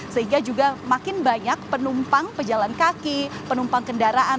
sehingga juga makin banyak penumpang pejalan kaki penumpang kendaraan